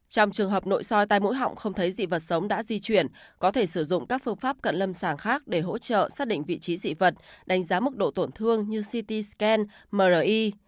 trong trường hợp nội soi tai mũi họng không thấy dị vật sống đã di chuyển có thể sử dụng các phương pháp cận lâm sàng khác để hỗ trợ xác định vị trí dị dị vật đánh giá mức độ tổn thương như ct scan mri